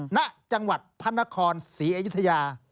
ณจังหวัดพระนครศรีอยุธยา